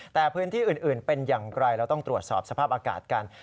แต่พื้นที่อื่นเป็นอย่างไรเราต้องตรวจสอบสภาพอากาศกัน